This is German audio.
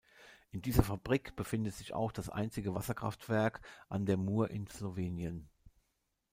In dieser Fabrik befindet sich auch das einzige Wasserkraftwerk an der Mur in Slowenien.